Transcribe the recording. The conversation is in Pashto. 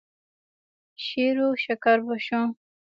شېروشکر به شو.